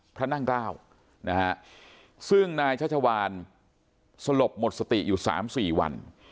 พระนั่งเกล้านะฮะซึ่งนายชัชวานสลบหมดสติอยู่๓๔วัน